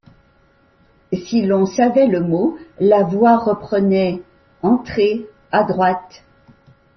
Si l’on savait le mot, la voix reprenait: — Entrez à droite.